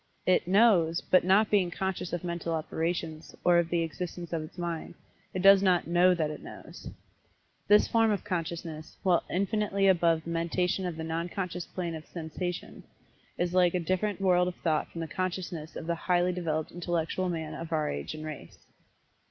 It "knows," but not being conscious of mental operations, or of the existence of its mind, it does not "know that it knows." This form of consciousness, while infinitely above the mentation of the nonconscious plane of "sansation," is like a different world of thought from the consciousness of the highly developed intellectual man of our age and race.